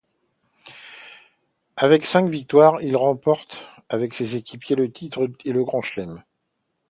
Avec cinq victoires, il remporte avec ses équipiers le titre et le Grand Chelem.